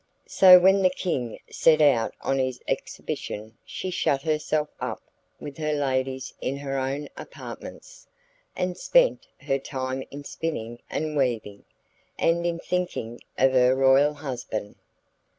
So when the King set out on his expedition she shut herself up with her ladies in her own apartments, and spent her time in spinning and weaving, and in thinking of her royal husband.